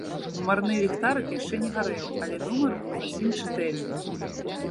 Нумарны ліхтарык яшчэ не гарэў, але нумар быў зусім чытэльны.